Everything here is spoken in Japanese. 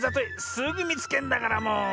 すぐみつけんだからもう。